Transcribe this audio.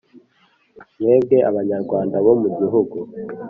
Mwebwe abanyarwanda bo mu gihugu